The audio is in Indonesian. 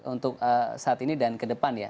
untuk saat ini dan ke depan ya